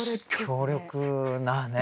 強力なね。